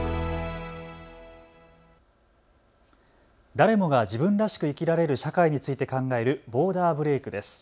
誰もが自分らしく生きられる社会について考えるボーダーブレイクです。